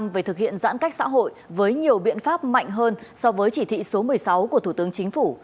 về thực hiện giãn cách xã hội với nhiều biện pháp mạnh hơn so với chỉ thị số một mươi sáu của thủ tướng chính phủ